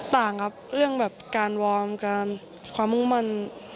ต่างครับเรื่องแบบการวอร์มการความมุ่งมั่น